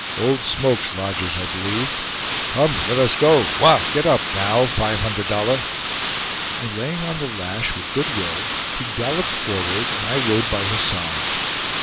"Old Smoke's lodges, I b'lieve. Come! let us go! Wah! get up, now, Five Hundred Dollar!" And laying on the lash with good will, he galloped forward, and I rode by his side.